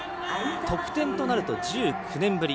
得点となると１９年ぶり。